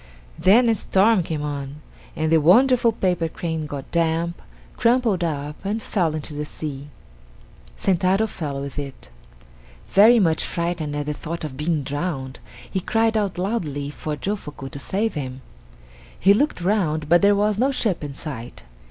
Then a storm came on, and the wonderful paper crane got damp, crumpled up, and fell into the sea. Sentaro fell with it. Very much frightened at the thought of being drowned, he cried out loudly to Jofuku to save him. He looked round, but there was no ship in sight.